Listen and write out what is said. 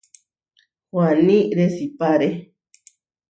Huaní resipáre.